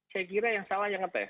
saya kira yang salah yang ngetes